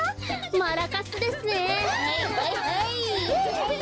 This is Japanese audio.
マラカスですね。